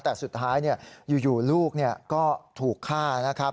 แต่สุดท้ายอยู่ลูกก็ถูกฆ่านะครับ